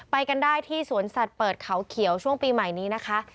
ไปกันได้ที่สวนสัตว์เปิดเขาเขียวช่วงปีใหม่นี้นะคะ